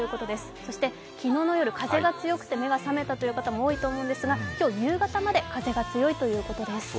そして昨日の夜、風が強くて目が覚めたという方も多いと思うんですが、今日夕方まで風が強いということです。